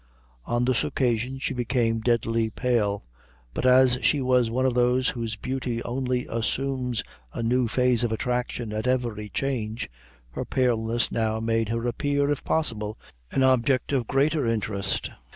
On this occasion she became deadly pale, but as she was one of those whose beauty only assumes a new phase of attraction at every change, her paleness now made her appear, if possible, an object of greater interest.